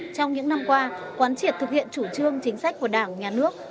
trong những năm qua quán triệt thực hiện chủ trương chính sách của đảng nhà nước